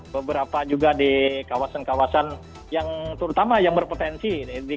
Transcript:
beberapa juga di kawasan kawasan yang terutama yang berpotensi